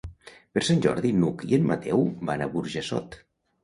Per Sant Jordi n'Hug i en Mateu van a Burjassot.